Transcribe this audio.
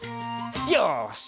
よし。